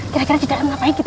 kira kira di dalam ngapain kita